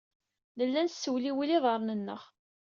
Nella nessewliwil iḍarren-nneɣ.